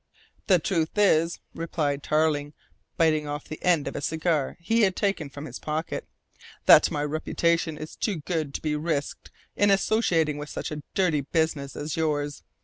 "The truth is," replied Tarling, biting off the end of a cigar he had taken from his pocket, "that my reputation is too good to be risked in associating with such a dirty business as yours.